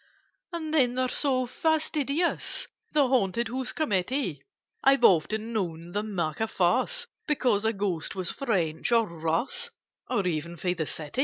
"And then they're so fastidious, The Haunted House Committee: I've often known them make a fuss Because a Ghost was French, or Russ, Or even from the City!